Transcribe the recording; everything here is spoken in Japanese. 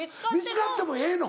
見つかってもええの？